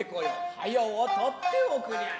早う取っておくりゃれ。